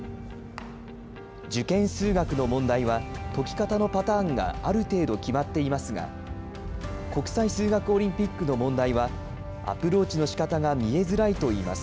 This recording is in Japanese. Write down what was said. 受験数学の問題は、解き方のパターンがある程度決まっていますが、国際数学オリンピックの問題は、アプローチのしかたが見えづらいといいます。